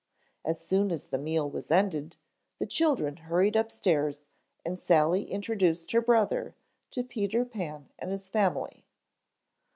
As soon as the meal was ended, the children hurried upstairs and Sally introduced her brother to Peter Pan and his family.